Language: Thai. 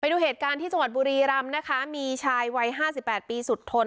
ดูเหตุการณ์ที่จังหวัดบุรีรำนะคะมีชายวัยห้าสิบแปดปีสุดทน